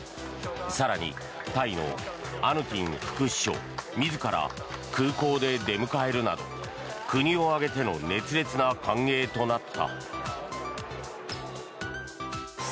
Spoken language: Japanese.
更にタイのアヌティン副首相自ら空港で出迎えるなど国を挙げての熱烈な歓迎となった。